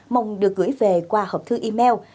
mong được gửi về qua hộp thư email